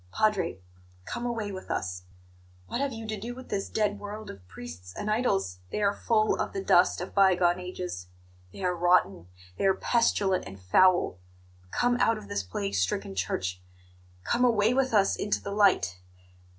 "Padre, come away with us! What have you to do with this dead world of priests and idols? They are full of the dust of bygone ages; they are rotten; they are pestilent and foul! Come out of this plague stricken Church come away with us into the light!